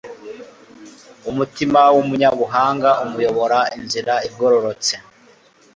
umutima w'umunyabuhanga umuyobora inzira igororotse